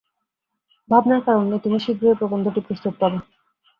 ভাবনার কারণ নেই, তুমি শীঘ্রই প্রবন্ধটি প্রস্তুত পাবে।